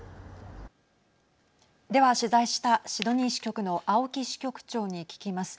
では、取材したシドニー支局の青木支局長に聞きます。